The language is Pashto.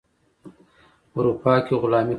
اروپا کې غلامي کمه وه.